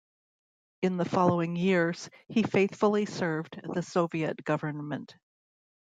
In the following years, he faithfully served the Soviet government.